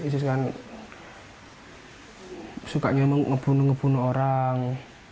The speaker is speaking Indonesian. isis kan sukanya ngebunuh ngebunuh orang